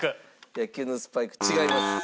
野球のスパイク違います。